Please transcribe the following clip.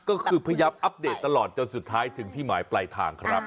ก็คือพยายามอัปเดตตลอดจนถึงสุดท้ายที่หมายไปร่างของครับ